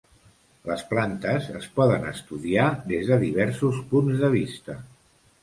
Les plantes es poden estudiar des de diversos punts de vista.